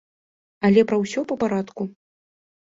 Але пра ўсё па парадку.